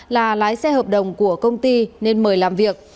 là lái xe hợp đồng của công ty nên mời làm việc